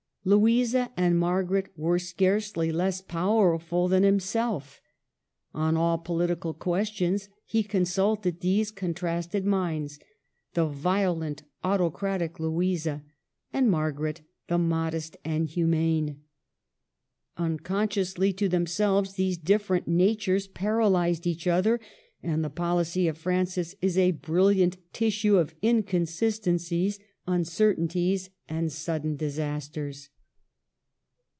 Louisa and Mar garet were scarcely less powerful than himself On all political questions he consulted these con trasted minds, — the violent, autocratic Louisa, and Margaret the modest and humane. Uncon sciously to themselves, these difiterent natures paralyzed each other ; and the policy of Francis is a brilliant tissue of inconsistencies, uncertain ties, and sudden disasters.